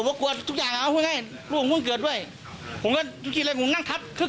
ผมก็เมื่อกี้เลยผมก็นั่งคับแค่ครึ่งหนึ่งใน